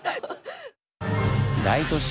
大都市